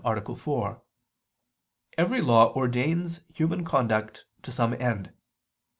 4), every law ordains human conduct to some end.